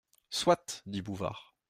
Soit ! dit Bouvard.